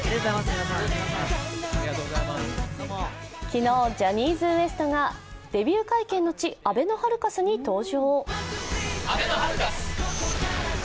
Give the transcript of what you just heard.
昨日、ジャニーズＷＥＳＴがデビュー会見の地、あべのハルカスに登場。